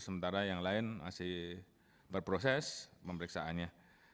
sementara yang lain masih berproses pemeriksaannya